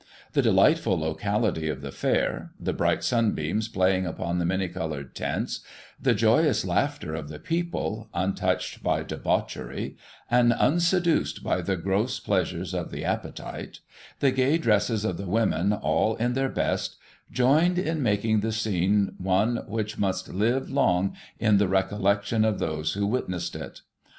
The delightful locality of the Fair, the bright sunbeams playing upon the many coloured tents, the joyous laughter of the people, imtouched by debauchery, and unseduced by the gross pleasures of the appetite; the gay dresses of the women, all in their best ; joined in making the scene one which must live long in the recollection of those who witnessed it.